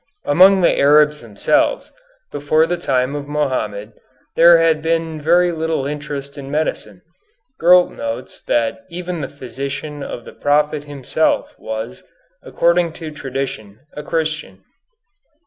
Among the Arabs themselves, before the time of Mohammed, there had been very little interest in medicine. Gurlt notes that even the physician of the Prophet himself was, according to tradition, a Christian.